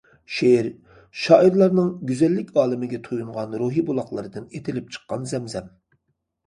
شېئىر شائىرلارنىڭ گۈزەللىك ئالىمىگە تويۇنغان روھىي بۇلاقلىرىدىن ئېتىلىپ چىققان زەمزەم.